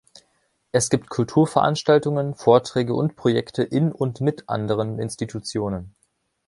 Es gibt Kulturveranstaltungen, Vorträge und Projekte in und mit anderen Institutionen.